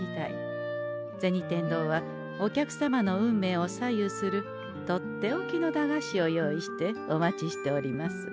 銭天堂はお客様の運命を左右するとっておきの駄菓子を用意してお待ちしております。